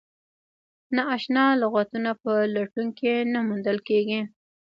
نا اشنا لغتونه په لټون کې نه موندل کیږي.